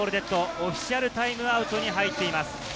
オフィシャルタイムアウトに入っています。